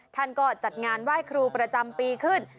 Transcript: ท่านก็จัดงานไหว้ครูประจำปีขึ้น